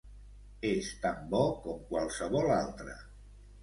És tan bo com qualsevol altre.